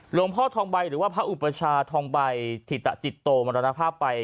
หลวงพ่อทองใบหรือว่าพระอุปชาทองใบถิตจิตโตมรณภาพไป